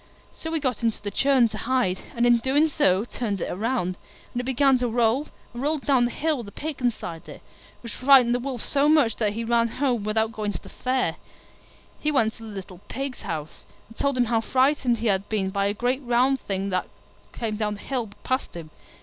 So he got into the churn to hide, and in doing so turned it round, and it began to roll, and rolled down the hill with the Pig inside it, which frightened the Wolf so much that he ran home without going to the Fair. He went to the little Pig's house, and told him how frightened he had been by a great round thing which came down the hill past him.